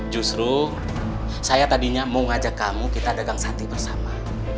justru saya tadinya mau ngajak kamu kita dagang sati bersama